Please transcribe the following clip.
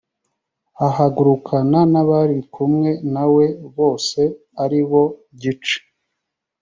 ahagurukana n abari kumwe na we bose ari bo gice